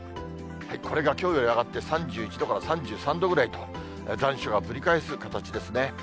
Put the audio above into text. これがきょうより上がって３１度から３３度くらいと、残暑がぶり返す形ですね。